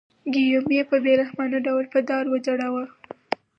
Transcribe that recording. ګیوم یې په بې رحمانه ډول په دار وځړاوه.